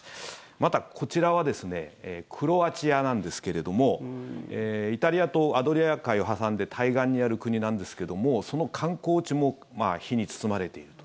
また、こちらはクロアチアなんですけれどもイタリアとアドリア海を挟んで対岸にある国なんですけどもその観光地も火に包まれていると。